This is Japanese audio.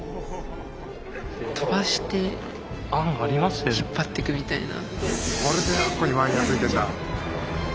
飛ばして引っ張ってくみたいな。